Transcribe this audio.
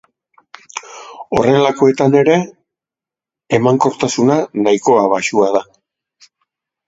Horrelakoetan ere emankortasuna nahikoa baxua da.